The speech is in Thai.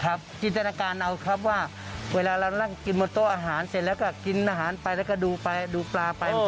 จินตนาการเอาครับว่าเวลาเรานั่งกินบนโต๊ะอาหารเสร็จแล้วก็กินอาหารไปแล้วก็ดูไปดูปลาไป